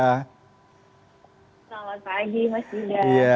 selamat pagi mas giza